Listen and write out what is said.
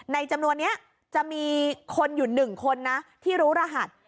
จำนวนนี้จะมีคนอยู่๑คนนะที่รู้รหัส